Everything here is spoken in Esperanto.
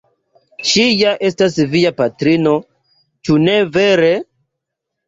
Ŝi ja estas via patrino, ĉu ne vere?